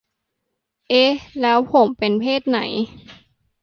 เอ๊ะ ! แล้วผมเป็นเพศไหน ! ?